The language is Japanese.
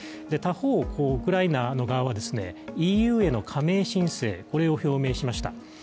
他方、ウクライナの側は、ＥＵへの加盟申請を表明しました。